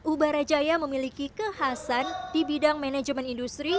ubara jaya memiliki kehasan di bidang manajemen industri